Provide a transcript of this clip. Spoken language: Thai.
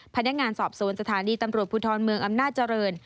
พนักงานสอบสวนสถานีตำรวจภูทรเมืองอำนาจเจริญ